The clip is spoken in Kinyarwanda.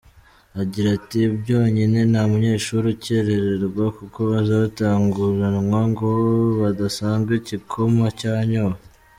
Agira ati “Byonyine nta munyeshuri ukererwa kuko baza batanguranwa ngo badasanga igikoma cyanyowe.